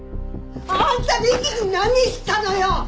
あんた美希に何したのよ！？